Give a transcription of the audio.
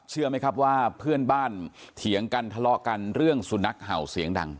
เชื่อไหมครับว่าเพื่อนบ้านเถียงกันทะเลาะกันเรื่องสุนัขเห่าเสียงดัง